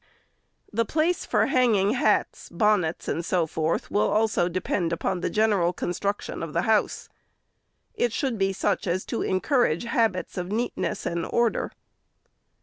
The place for hanging hats, bonnets, and so forth, will also depend upon the general construction of the house. It should be such as to encourage habits of neatness and order.